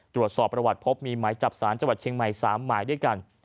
ตรวจสอบประวัติพบมีหมายจับสารจังหวัดเชียงใหม่๓หมายด้วยกัน